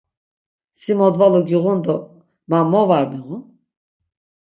Si modvalu giğun do ma mo var miğun?